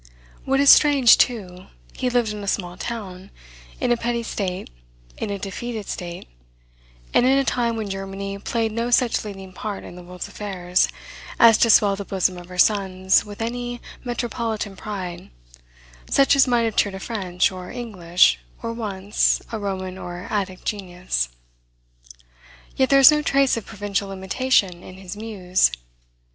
What is strange, too, he lived in a small town, in a petty state, in a defeated state, and in a time when Germany played no such leading part in the world's affairs as to swell the bosom of her sons with any metropolitan pride, such as might have cheered a French, or English, or, once, a Roman or Attic genius. Yet there is no trace of provincial limitation in his muse.